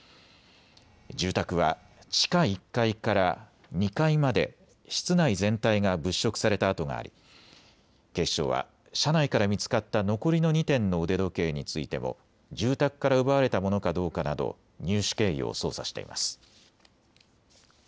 住宅は地下１階から２階まで室内全体が物色された跡があり警視庁は車内から見つかった残りの２点の腕時計についても住宅から奪われたものかどうかなど入手経緯を捜査しています。